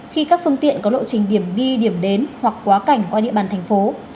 khi các phương tiện có lộ trình điểm đi điểm đến hoặc quá cảnh qua địa bàn thành phố